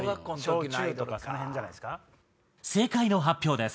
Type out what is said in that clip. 正解の発表です。